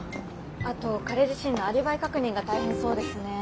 あと彼自身のアリバイ確認が大変そうですね。